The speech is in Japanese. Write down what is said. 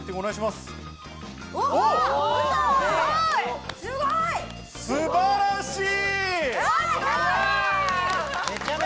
すごい！素晴らしい！